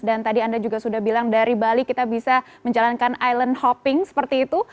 dan tadi anda juga sudah bilang dari bali kita bisa menjalankan island hopping seperti itu